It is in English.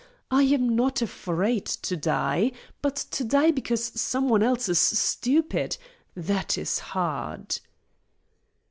I am not afraid to die. But to die because some one else is stupid, that is hard."